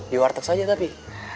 di warteg saja tapi